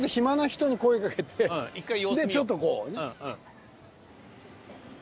まずでちょっとこうね。